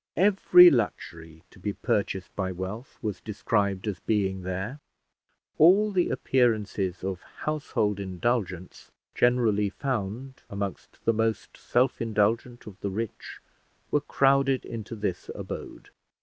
Every luxury to be purchased by wealth was described as being there: all the appearances of household indulgence generally found amongst the most self indulgent of the rich were crowded into this abode.